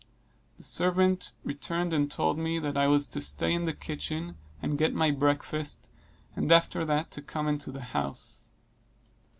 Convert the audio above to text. The servant returned and told me, that I was to stay in the kitchen and get my breakfast; and after that to come into the house.